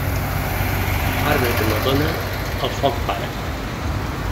Arbre que no dóna, al foc para.